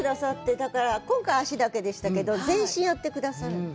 だから、今回は脚だけでしたけど、全身やってくださるんで。